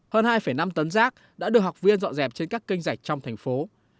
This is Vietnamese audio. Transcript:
hơn hai năm tấn rác đã được học viên dọn dẹp trên các kênh dạch trong thành phố